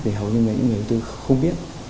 để hầu như những người đầu tư không biết